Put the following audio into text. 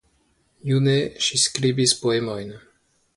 June ŝi skribis poemojn.